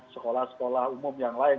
sekolah sekolah umum yang lain